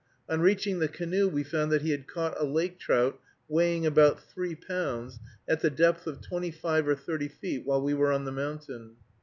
On reaching the canoe we found that he had caught a lake trout weighing about three pounds, at the depth of twenty five or thirty feet, while we were on the mountain.